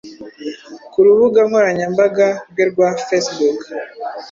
ku rubuga nkoranyambaga rwe rwa Facebook